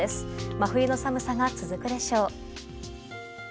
真冬の寒さが続くでしょう。